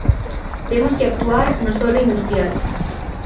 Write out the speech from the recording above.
Temos que actuar no solo industrial.